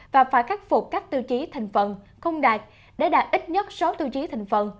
và phải khắc phục các tiêu chí thành phần không đạt để đạt ít nhất sáu tiêu chí thành phần